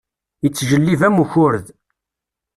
Ittjellib am ukured.